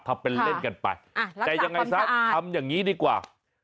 ทำเป็นเล่นกันไปแต่ยังไงซะทำอย่างนี้ดีกว่า